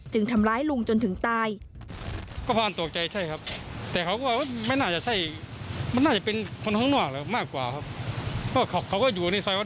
ทำร้ายลุงจนถึงตาย